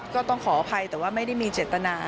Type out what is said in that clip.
ก็ต้องขออภัยแต่ว่าไม่ได้มีเจตนา